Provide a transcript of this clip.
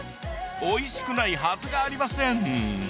おいしくないはずがありません。